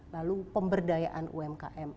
lalu pemberdayaan umkm